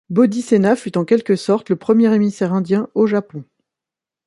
Bodhisena fut en quelque sorte le premier émissaire indien au Japon.